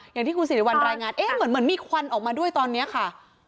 อย่างที่คุณสิริวัลรายงานเอ๊ะเหมือนมีควันออกมาด้วยตอนนี้ค่ะ